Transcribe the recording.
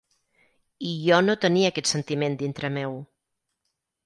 I jo no tenia aquest sentiment dintre meu.